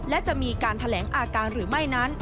และจะมีการแถลงอาการหรือไม่นั้น